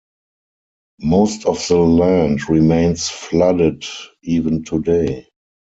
Most of the land remains flooded even today.